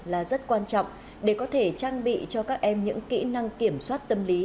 là rất quan trọng để có thể trang bị cho các em những kỹ năng kiểm soát tâm lý